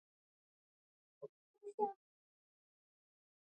د نجونو زدهکړه د دوی په اجنډا کې نشته.